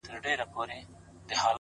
مخامخ وتراشل سوي بت ته ناست دی;